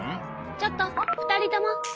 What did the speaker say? ちょっと２人とも。